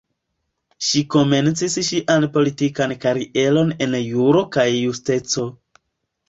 Ŝi komencis ŝian politikan karieron en Juro kaj Justeco.